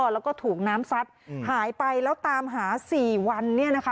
แล้วก็ถูกน้ำซัดหายไปแล้วตามหา๔วัน